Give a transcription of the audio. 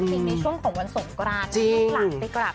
คุณคุณความรักความผูกพันธ์อันนี้มันเป็นความหมายแพทย์จริงในช่วงของวันส่งกราน